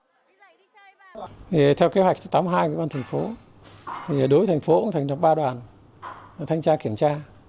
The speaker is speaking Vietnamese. theo kế hoạch tám mươi hai của ban thành phố thì đối với thành phố cũng thành lập ba đoàn thanh tra kiểm tra